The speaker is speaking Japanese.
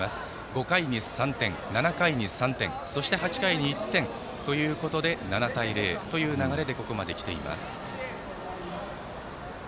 ５回に３点、７回に３点そして８回に１点ということで７対０という流れでここまで来ています。